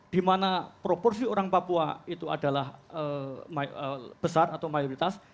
di mana proporsi orang papua itu adalah besar atau mayoritas